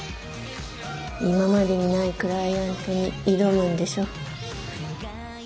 今までにないクライアントに挑むんでしょ。